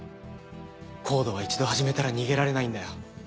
ＣＯＤＥは一度始めたら逃げられないんだよ。